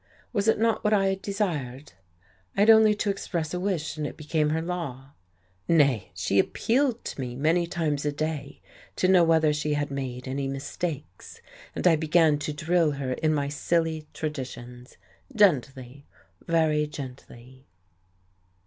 Was it not what I had desired? I had only to express a wish, and it became her law. Nay, she appealed to me many times a day to know whether she had made any mistakes, and I began to drill her in my silly traditions, gently, very gently.